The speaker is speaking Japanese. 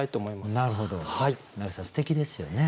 すてきですよね。